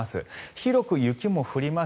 広く雪も降ります